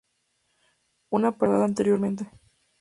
Una partida guardada anteriormente.